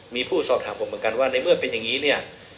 มีผู้สอบถามผมเหมือนกันว่าในเมื่อเป็นอย่างนี้เนี่ย